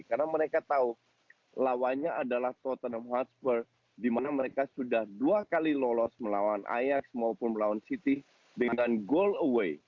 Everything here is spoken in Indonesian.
karena mereka tahu lawannya adalah tottenham hotspur di mana mereka sudah dua kali lolos melawan ajax maupun melawan city dengan goal away